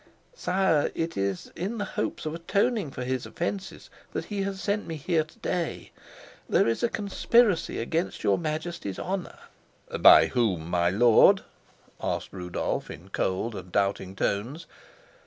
"Sire, it is in the hopes of atoning for his offences that he has sent me here to day. There is a conspiracy against your Majesty's honor." "By whom, my lord?" asked Rudolf, in cold and doubting tones.